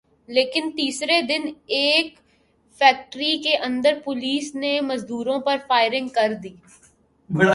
لیکن تیسرے دن ایک فیکٹری کے اندر پولیس نے مزدوروں پر فائرنگ کر دی